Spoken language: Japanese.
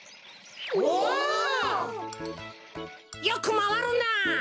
よくまわるなあ。